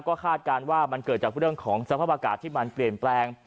ก็คาดการณ์ว่ามันเกิดจากเรื่องของสภาพอากาศที่มันเปลี่ยนแปลง